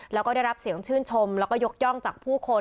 แล้วก็ได้รับเสียงชื่นชมแล้วก็ยกย่องจากผู้คน